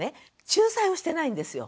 仲裁をしてないんですよ。